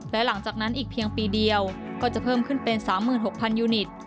และหลังจากนั้นอีกเพียงปีเดียวก็จะเพิ่มขึ้นเป็น๓๖๐๐ยูนิต